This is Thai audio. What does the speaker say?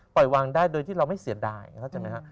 วางได้โดยที่เราไม่เสียดายเข้าใจไหมฮะ